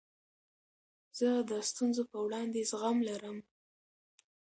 زه د ستونزو په وړاندي زغم لرم.